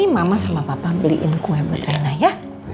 mama sama papa beliin kue buat anak ya